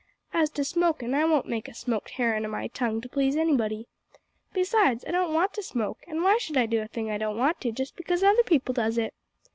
As to smokin', I won't make a smoked herrin' o' my tongue to please anybody. Besides, I don't want to smoke, an' why should I do a thing I don't want to just because other people does it?